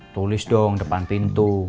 tulis dong depan pintu